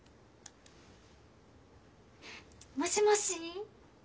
もしもし？